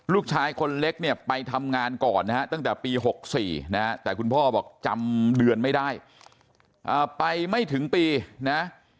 ลูกชายคนเล็กเนี่ยไปทำงานก่อนนะฮะตั้งแต่ปี๖๔นะแต่คุณพ่อบอกจำเดือนไม่ได้ไปไม่ถึงปีนะ